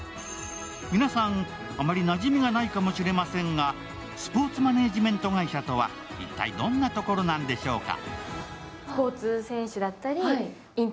皆さんあまりなじみがないかもしれませんが、スポーツマネジメント会社とは一体どんなところなのでしょうか。